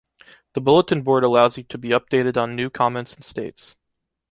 The bulletin board allows you to be updated on new comments and states.